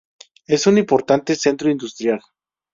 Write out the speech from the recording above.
Es un importante centro industrial.